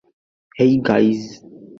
হেই, guys.